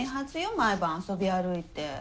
毎晩遊び歩いて。